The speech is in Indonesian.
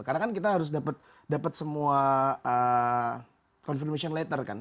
karena kan kita harus dapat semua confirmation letter kan